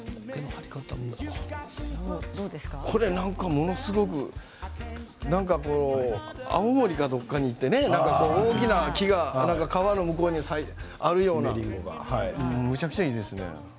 華丸さんはものすごく青森かどこかに行ってね大きな木が川の向こうにあるような、むちゃくちゃいいですよ。